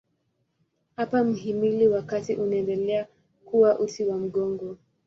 Hapa mhimili wa kati unaendelea kuwa uti wa mgongo.